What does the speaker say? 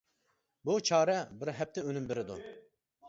بۇ چارە بىر ھەپتە ئۈنۈم بېرىدۇ.